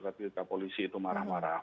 ketika polisi itu marah marah